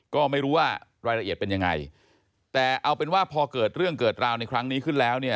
ก็ไม่รู้ว่ารายละเอียดเป็นยังไงแต่เอาเป็นว่าพอเกิดเรื่องเกิดราวในครั้งนี้ขึ้นแล้วเนี่ย